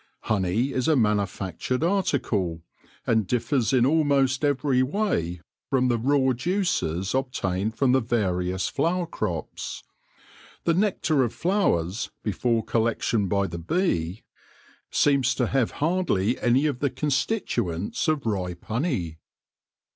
Honey is a manufactured article, and differs in almost every way from the raw juices obtained from the various flower crops. The nectar of flowers, 154 THE LORE OF THE HONEY BEE before collection by the bee, seems to have hardly any of the constituents of ripe honey.